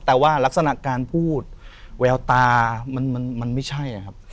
แต่ว่ารักษณะการพูดแววตามันไม่ใช่ครับ